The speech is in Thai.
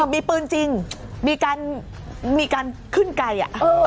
มีปืนจริงมีการขึ้นไกล